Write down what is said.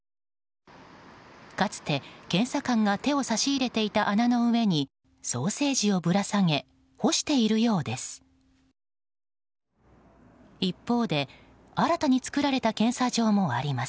かつて、検査官が手を差し入れていた穴の上にソーセージをぶら下げ干しているようです。